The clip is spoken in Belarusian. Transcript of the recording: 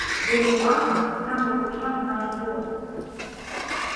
Вельмі важна, каб там прагучаў наш голас.